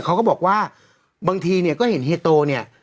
เขาก็บอกว่าบางทีเนี่ยก็เห็นเฮียโตเนี่ย